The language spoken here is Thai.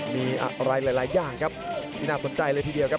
มีอะไรหลายอย่างครับที่น่าสนใจเลยทีเดียวครับ